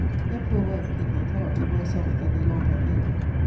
Their poor work people cannot be worse off than they long have been.